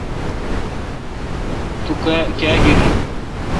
تو کاں گیرون۔